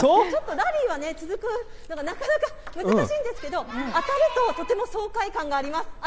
ちょっとラリーが続くのはなかなか難しいんですけど、当たるととても爽快感があります。